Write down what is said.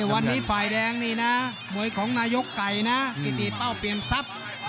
วันนี้ฝ่ายแดงนี่นะมวยของนายกไก่นะกิติเป้าเปรียมทรัพย์